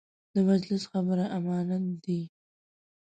د مجلس خبره امانت دی.